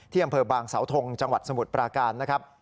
อำเภอบางสาวทงจังหวัดสมุทรปราการนะครับ